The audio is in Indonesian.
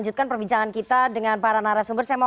yang pertama kita lihat dari suruh pm mas umam tadi